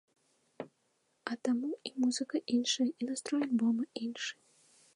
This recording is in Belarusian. А таму і музыка іншая, і настрой альбома іншы.